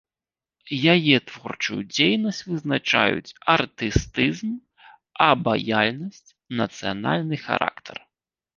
Яе творчую дзейнасць вызначаюць артыстызм, абаяльнасць, нацыянальны характар.